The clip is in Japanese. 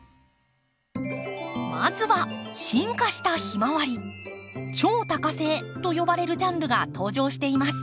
まずは進化したヒマワリ超多花性と呼ばれるジャンルが登場しています。